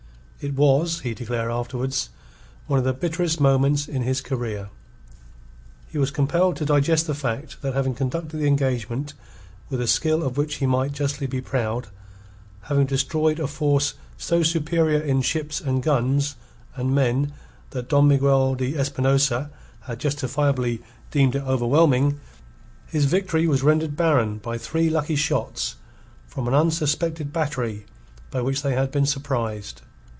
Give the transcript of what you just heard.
It was, he declared afterwards, one of the bitterest moments in his career. He was compelled to digest the fact that having conducted the engagement with a skill of which he might justly be proud, having destroyed a force so superior in ships and guns and men that Don Miguel de Espinosa had justifiably deemed it overwhelming, his victory was rendered barren by three lucky shots from an unsuspected battery by which they had been surprised.